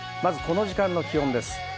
この時間の気温です。